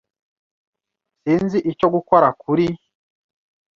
Sinzi icyo gukora kuri .